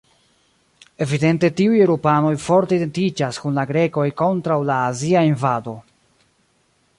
Evidente tiuj eŭropanoj forte identiĝas kun la grekoj kontraŭ la azia invado.